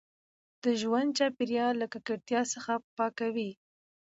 د ژوند چاپیریال له ککړتیا څخه پاک وي.